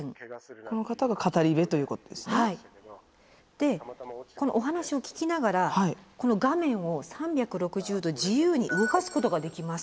でこのお話を聞きながらこの画面を３６０度自由に動かすことができます。